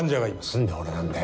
何で俺なんだよ。